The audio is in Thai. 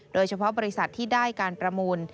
โดยเฉพาะบริษัทที่ได้การประมูล